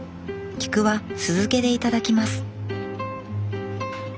菊は酢漬けで頂きます。